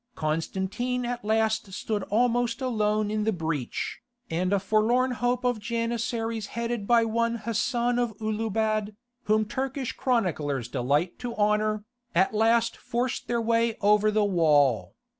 Constantine at last stood almost alone in the breach, and a forlorn hope of Janissaries headed by one Hassan of Ulubad, whom Turkish chroniclers delight to honour, at last forced their way over the wall.